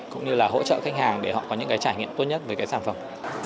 cũng như là hỗ trợ khách hàng để họ có những trải nghiệm tốt nhất với sản phẩm